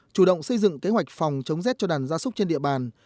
chủ động xây dựng kế hoạch phòng chống rét cho đàn gia súc trên địa bàn